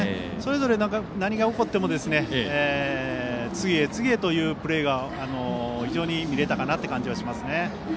それぞれ何が起こっても次へ、次へというプレーが非常に見られたかなという感じがします。